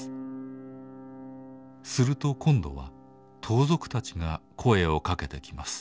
すると今度は盗賊たちが声をかけてきます。